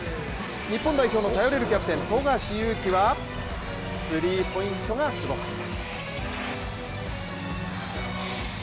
日本代表の頼れるキャプテン富樫勇樹は、スリーポイントがすごかった。